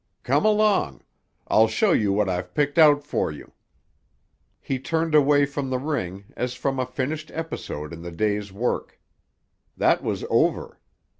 Come along; I'll show you what I've picked out for you." He turned away from the ring as from a finished episode in the day's work. That was over.